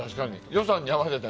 予算に合わせて。